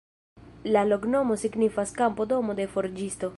La loknomo signifas: kampo-domo-de forĝisto.